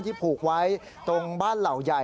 ผูกไว้ตรงบ้านเหล่าใหญ่